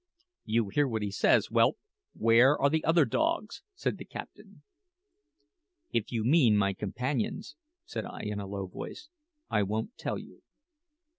"You hear what he says, whelp: where are the other dogs?" said the captain. "If you mean my companions," said I in a low voice, "I won't tell you."